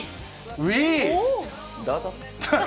ウィー？